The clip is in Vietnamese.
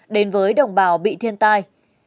đến với đồng bào bị thiên tai